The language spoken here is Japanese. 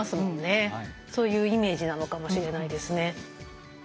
そういうイメージなのかもしれないですね。